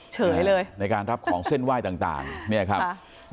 เฉยเลยในการรับของเส้นไหว้ต่างเนี่ยครับ